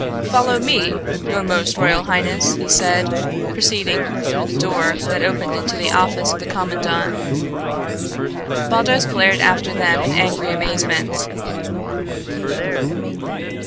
"Follow me, your most royal highness," he said, preceding her through the door that opened into the office of the commandant. Baldos glared after them in angry amazement.